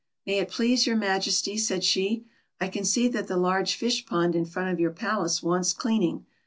" May it please your Majesty," said she, " I can see that the large fish pond in front of your palace wants cleaning.